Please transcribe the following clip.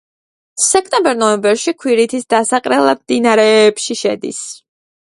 სექტემბერ-ნოემბერში ქვირითის დასაყრელად მდინარეებში შედის.